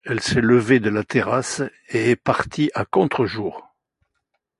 Elle s’est levée de la terrasse et est partie à contre-jour.